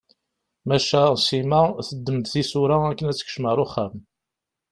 Maca Sima teddem-d tisura akken ad tekcem ɣer uxxam.